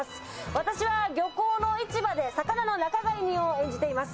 私は漁港の市場で魚の仲買人を演じています。